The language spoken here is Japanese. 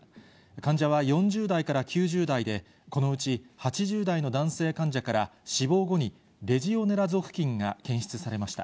患者は４０代から９０代で、このうち８０代の男性患者から死亡後にレジオネラ属菌が検出されました。